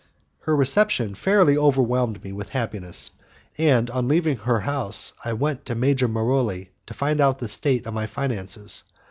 Her reception fairly overwhelmed me with happiness, and on leaving her house I went to Major Maroli to find out the state of my finances.